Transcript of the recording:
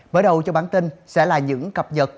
mở đầu cho bản tin sẽ là những cập nhật